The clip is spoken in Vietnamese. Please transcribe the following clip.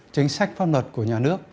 chính sách pháp luật của nhà nước